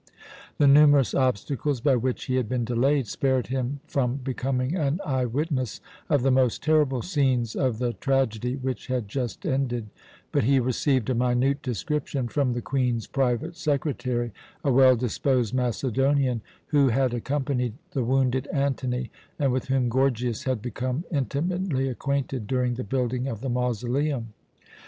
The numerous obstacles by which he had been delayed spared him from becoming an eye witness of the most terrible scenes of the tragedy which had just ended; but he received a minute description from the Queen's private secretary, a well disposed Macedonian, who had accompanied the wounded Antony, and with whom Gorgias had become intimately acquainted during the building of the mausoleum.